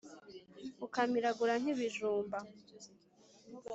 ukamiragura nk’ibijumba